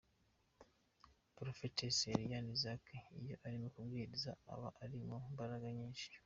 Prophetess Eliane Isaac iyo arimo kubwiriza aba ari mu mbaraga nyinshi.